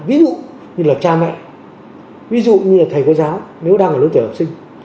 ví dụ như là cha mẹ thầy cô giáo nếu đang ở nơi tuổi học sinh